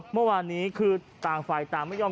เมื่อวานนี้คือต่างฝ่ายต่างไม่ยอม